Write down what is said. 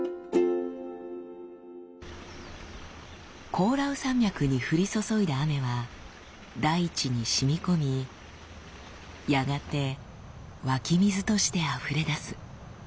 コオラウ山脈に降り注いだ雨は大地にしみこみやがて湧き水としてあふれ出す。